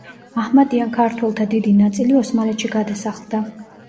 მაჰმადიან ქართველთა დიდი ნაწილი ოსმალეთში გადასახლდა.